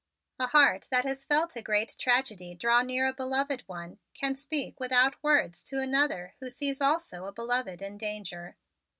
A heart that has felt a great tragedy draw near a beloved one can speak without words to another who sees also a beloved in danger.